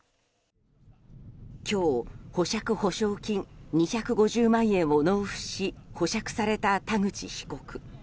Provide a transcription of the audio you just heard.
今日、保釈保証金２５０万円を納付し保釈された田口被告。